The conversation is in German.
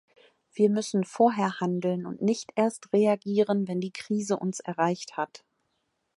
Wir müssen vorher handeln und nicht erst reagieren, wenn die Krise uns erreicht hat.